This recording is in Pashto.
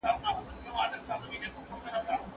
په دښته کې د کړنګيو اواز هرې خوا ته خپرېده.